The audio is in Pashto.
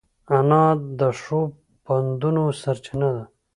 انا د ښو پندونو سرچینه ده